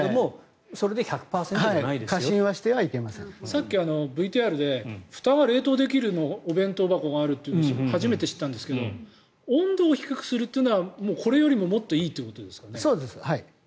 さっきＶＴＲで蓋を冷蔵できるお弁当箱があるって初めて知ったんですけど温度を低くするのはこれよりももっといいということですかね。